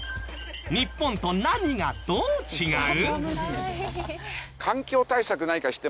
日本と何がどう違う？